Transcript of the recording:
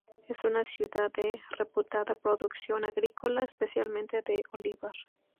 Es una ciudad de reputada producción agrícola, especialmente de olivar.